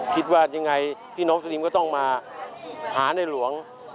คิดว่ายังไงพี่น้องสนิมก็ต้องมาหาในหลวง